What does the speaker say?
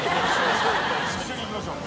一緒に行きましょう。